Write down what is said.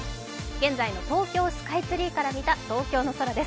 現在の東京スカイツリーから見た東京の空です。